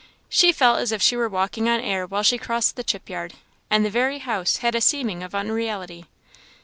She felt as if she were walking on air while she crossed the chip yard, and the very house had a seeming of unreality.